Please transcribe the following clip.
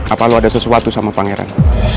apa lo ada sesuatu sama pangeran